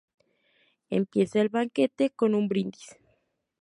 Empieza el banquete con un brindis.